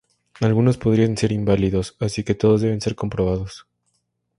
Algunos podrían ser inválidos, así que todos deben ser comprobados.